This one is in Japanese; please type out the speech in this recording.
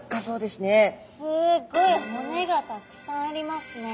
すっごい骨がたくさんありますね。